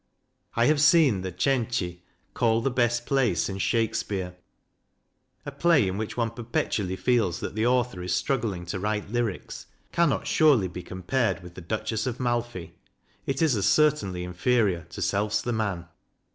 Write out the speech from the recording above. I have seen the " Cenci," called the best play since Shakespeare. A play in which one perpetually feels that the author is struggling to write lyrics cannot surely be compared with the "Duchess of Malfi." It is as certainly inferior to "Self's the Man."